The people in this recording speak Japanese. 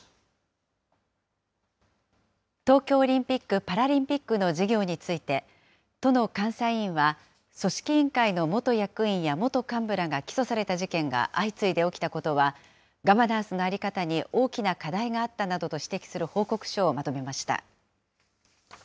東京オリンピック・パラリンピックの事業について、都の監査委員は組織委員会の元役員や元幹部らが起訴された事件が相次いで起きたことは、ガバナンスの在り方に大きな課題があったなどと指摘する報告書をまとめました。